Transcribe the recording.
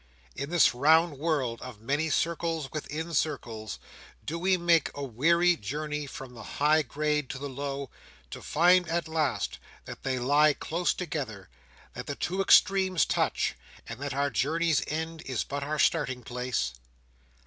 In this round world of many circles within circles, do we make a weary journey from the high grade to the low, to find at last that they lie close together, that the two extremes touch, and that our journey's end is but our starting place?